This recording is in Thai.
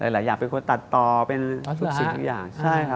หลายอย่างเป็นคนตัดต่อเป็นธุรกิจทุกอย่าง